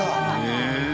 へえ。